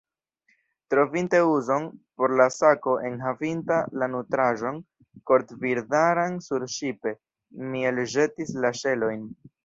Trovinte uzon por la sako enhavinta la nutraĵon kortbirdaran surŝipe, mi elĵetis la ŝelojn.